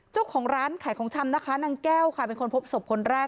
เจ้าของร้านขายของชำนะคะนางแก้วค่ะเป็นคนพบศพคนแรก